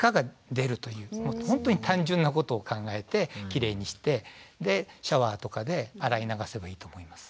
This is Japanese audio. ほんとに単純なことを考えてキレイにしてでシャワーとかで洗い流せばいいと思います。